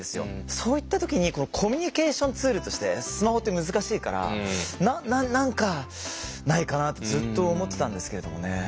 そういった時にコミュニケーションツールとしてスマホって難しいから何かないかなってずっと思ってたんですけれどもね。